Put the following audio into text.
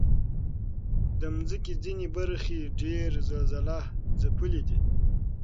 د مځکې ځینې برخې ډېر زلزلهځپلي دي.